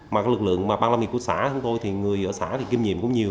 mà lực lượng ban lâm địa của xã người ở xã thì kiêm nhiệm cũng nhiều